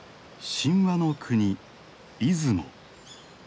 神話の国出雲。